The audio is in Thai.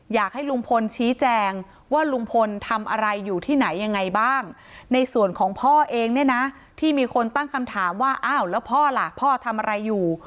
อยากให้ลุงพลชี้แจงว่าลุงพลทำอะไรอยู่ที่ไหนยังไงบ้างในส่วนของพ่อเองเนี่ยนะที่มีคนตั้งคำถามว่าอ้าวแล้วพ่อล่ะพ่อทำอะไรอยู่